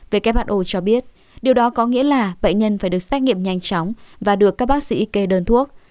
who cho biết điều đó có nghĩa là bệnh nhân phải được xét nghiệm nhanh chóng và được các bác sĩ kê đơn thuốc